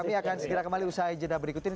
kami akan segera kembali usaha agenda berikut ini